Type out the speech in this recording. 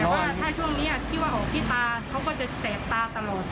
แต่ว่าถ้าช่วงนี้ที่ว่าออกที่ตาเขาก็จะแสบตาตลอด